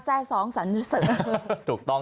แทร่๒สรรเสริม